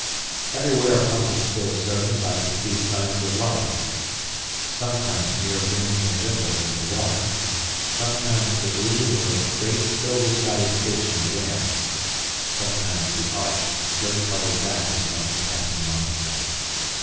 Everywhere upon the still surface I could see signs of life, sometimes mere rings and ripples in the water, sometimes the gleam of a great silver sided fish in the air, sometimes the arched, slate colored back of some passing monster.